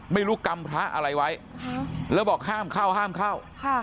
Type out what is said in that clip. ไม่รู้กำพระอะไรไว้แล้วบอกห้ามเข้าห้ามเข้า